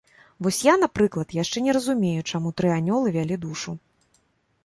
Вось я, напрыклад, яшчэ не разумею, чаму тры анёлы вялі душу.